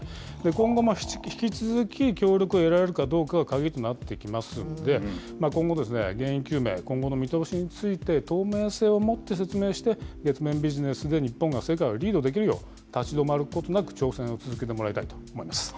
今後も引き続き協力を得られるかどうかが鍵となってきますんで、今後、原因究明、今後の見通しについて、透明性を持って説明して、月面ビジネスで日本が世界をリードできるよう、立ち止まることなく、挑戦を続けてもらいたいと思います。